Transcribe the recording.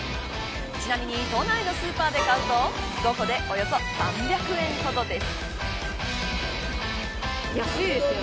ちなみに都内のスーパーで買うと５個でおよそ３００円ほどです。